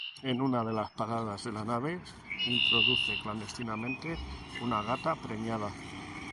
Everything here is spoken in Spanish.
En una de las paradas de la nave introduce clandestinamente una gata preñada.